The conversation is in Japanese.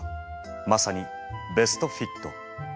まさにベストフィット！